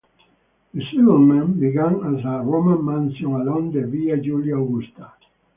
The settlement began as a Roman mansion along the Via Julia Augusta.